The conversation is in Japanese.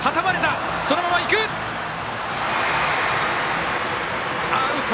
そのままいく、アウト。